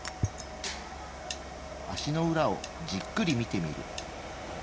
足の裏をじっくり見てみる。